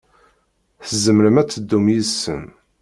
Tzemrem ad teddum yid-sen.